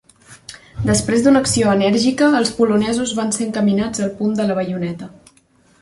Després d'una acció enèrgica, els polonesos van ser encaminats al punt de la baioneta.